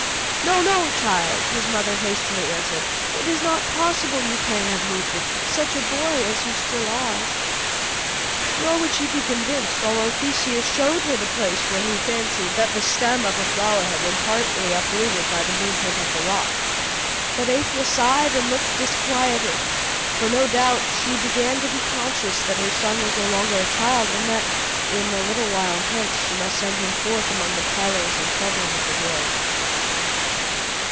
"No, no, child!" his mother hastily answered. "It is not possible you can have moved it, such a boy as you still are!" Nor would she be convinced, although Theseus showed her the place where he fancied that the stem of a flower had been partly uprooted by the movement of the rock. But Aethra sighed, and looked disquieted; for, no doubt, she began to be conscious that her son was no longer a child, and that, in a little while hence, she must send him forth among the perils and troubles of the world.